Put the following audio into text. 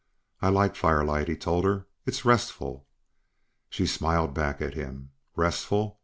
"I like firelight," he told her. "It's restful." She smiled back at him. "Restful?